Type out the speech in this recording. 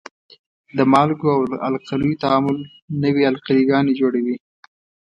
د مالګو او القلیو تعامل نوې القلي ګانې جوړوي.